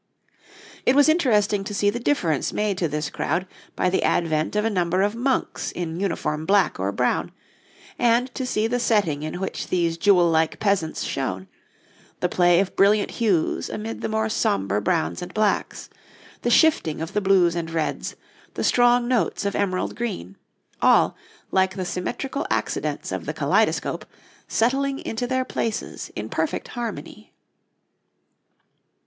It was interesting to see the difference made to this crowd by the advent of a number of monks in uniform black or brown, and to see the setting in which these jewel like peasants shone the play of brilliant hues amid the more sombre browns and blacks, the shifting of the blues and reds, the strong notes of emerald green all, like the symmetrical accidents of the kaleidoscope, settling into their places in perfect harmony.